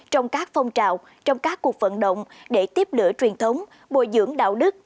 trong các phong trào trong các cuộc vận động để tiếp lửa truyền thống bồi dưỡng đạo đức